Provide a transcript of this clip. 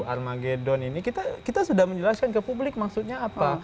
armageddon ini kita sudah menjelaskan ke publik maksudnya apa